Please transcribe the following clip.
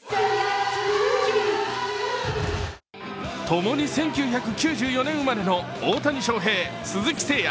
ともに１９９４年生まれの大谷翔平、鈴木誠也。